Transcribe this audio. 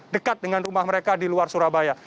dekat dengan rumah mereka di luar surabaya